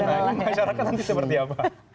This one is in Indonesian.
pelayanan masyarakat nanti seperti apa